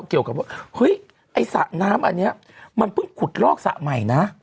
เกี่ยวกับว่าเฮ้ยไอ้สระน้ำอันนี้มันเพิ่งขุดลอกสระใหม่นะ